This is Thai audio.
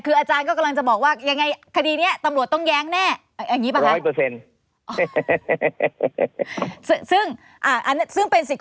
คืออาจารย์ก็กำลังจะบอกว่ายังไงคดีเนี้ยตำลวดต้องแย้งแน่